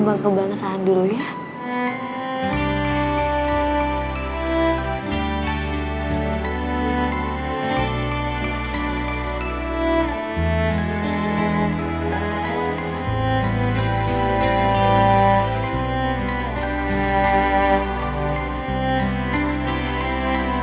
gue gak bisa lama lama disini man